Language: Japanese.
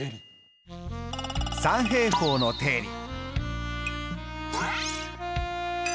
三平方の定理！